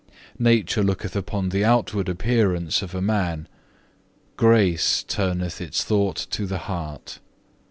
Nature looketh upon the outward appearance of a man, grace turneth its thought to the heart.